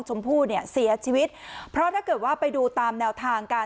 ชมพู่เนี่ยเสียชีวิตเพราะถ้าเกิดว่าไปดูตามแนวทางการ